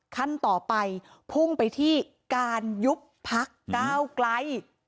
ขั้นต่อไปพุ่งไปที่การยุบพักก้าวไกล